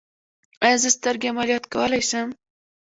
ایا زه سترګې عملیات کولی شم؟